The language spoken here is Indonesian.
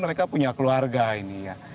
mereka punya keluarga ini ya